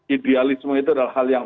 idealisme itu adalah hal yang